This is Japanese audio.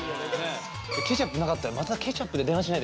ケチャップなかったらまたケチャップで電話しないといけない。